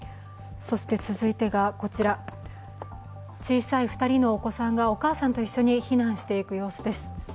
そして続いてが、小さい２人のお子さんがお母さんと一緒に避難していく用です。